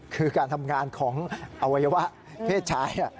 คือการทำงานของอวัยวะเพศชาย